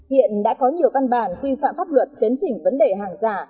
hiện đã có nhiều văn bản tuy phạm pháp luật chấn trình vấn đề hàng giả